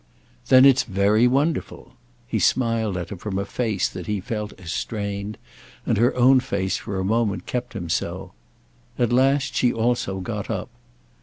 "Then it's very wonderful." He smiled at her from a face that he felt as strained, and her own face for a moment kept him so. At last she also got up.